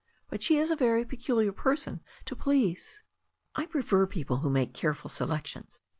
"But she is a very peculiar person to please." "I prefer people who make careftd selections.